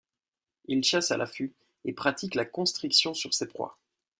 Il chasse à l'affût et pratique la constriction sur ses proies.